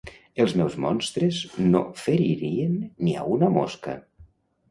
Els meus monstres no feririen ni a una mosca!